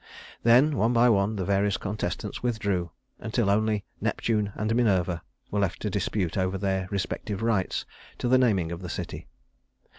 Then one by one the various contestants withdrew until only Neptune and Minerva were left to dispute over their respective rights to the naming of the city.